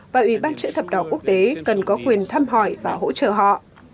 và ủy bác trợ thập đỏ quốc tế cần có quyền thăm hỏi và hỗ trợ họ